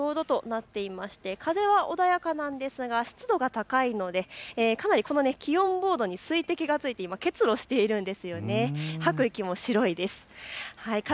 この時間は１２度ちょうどとなっていて風は穏やかなんですが湿度が高いのでかなり気温ボードに水滴がついて結露しているんです。